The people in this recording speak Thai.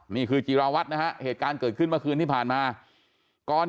มีคือจิราวัสตร์นะฮะเหตุการเกิดขึ้นวันคืนที่ผ่านมาก่อน